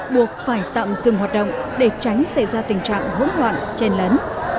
buộc phải tạm dừng hoạt động để tránh xảy ra tình trạng hỗn loạn chen lấn